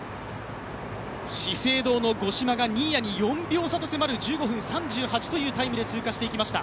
資生堂の五島が新谷に４秒差に迫る１５分３８というタイムで通過していきました。